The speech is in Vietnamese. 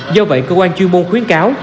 do vậy cơ quan chuyên môn khuyến cáo